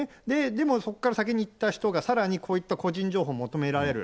でも、そこから先にいった人が、さらにこういった個人情報を求められる。